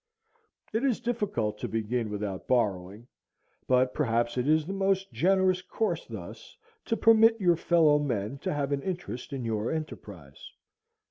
It is difficult to begin without borrowing, but perhaps it is the most generous course thus to permit your fellow men to have an interest in your enterprise.